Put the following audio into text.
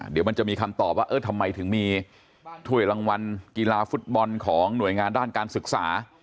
เดี๋ยวมันจะมีคำตอบว่าเออทำไมถึงมีถ้วยรางวัลกีฬาฟุตบอลของหน่วยงานด้านการศึกษา